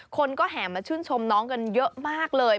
คนก็แห่มาชื่นชมน้องกันเยอะมากเลย